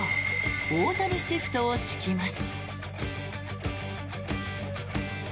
大谷シフトを敷きます。